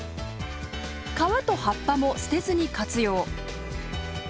皮と葉っぱも捨てずに活用。